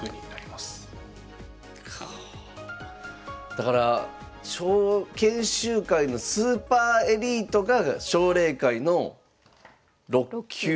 だから研修会のスーパーエリートが奨励会の６級。